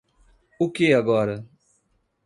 O que agora?